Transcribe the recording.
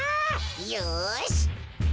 よし！